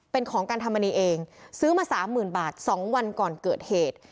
เป็นของการธรรมนีเองซื้อมาสามหมื่นบาท๒วันก่อนเกิดเหตุ